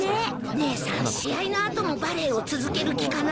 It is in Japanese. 姉さん試合の後もバレーを続ける気かな。